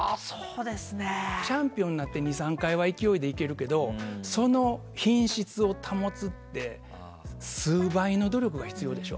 チャンピオンになって２３回はいけるけどその品質を保つって数倍の努力が必要でしょ？